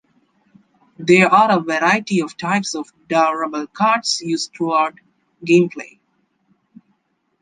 There are a variety of types of durable cards used throughout gameplay.